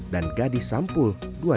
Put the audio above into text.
dan gadis sampul dua ribu sembilan